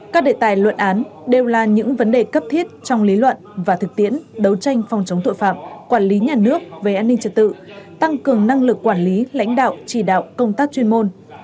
các đề tài luận án đều là những vấn đề cấp thiết trong lý luận và thực tiễn đấu tranh phòng chống tội phạm quản lý nhà nước về an ninh trật tự tăng cường năng lực quản lý lãnh đạo chỉ đạo công tác chuyên môn